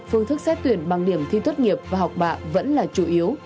phương thức xét tuyển bằng điểm thi tốt nghiệp và học bạ vẫn là chủ yếu